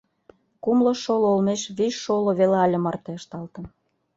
Кумло шоло олмеш вич шоло веле але марте ышталтын.